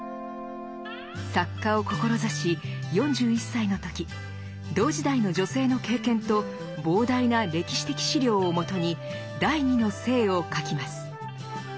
作家を志し４１歳の時同時代の女性の経験と膨大な歴史的資料をもとに「第二の性」を書きます。